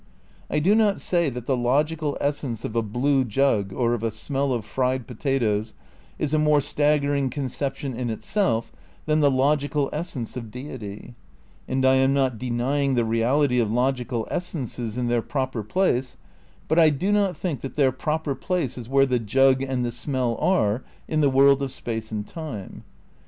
I do not say that the logical essence of a blue jug or of a smeU of fried potatoes is a more staggering con ception in itself than the logical essence of deity; and I am not denying the reality of logical essences in their proper place, but I do not think that their proper place is where the jug and the smell are, in the world of space and time.